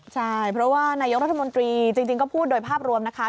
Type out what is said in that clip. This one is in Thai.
ใช่เพราะว่านายกรัฐมนตรีจริงก็พูดโดยภาพรวมนะคะ